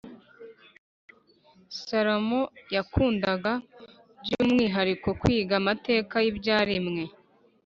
salomo yakundaga by’umwihariko kwiga amateka y’ibyaremwe,